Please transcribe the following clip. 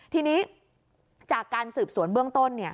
ทีนี้จากการสืบสวนเบื้องต้น